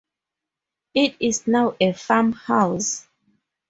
It is now a farmhouse.